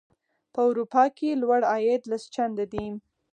په اروپا کې لوړ عاید لس چنده دی.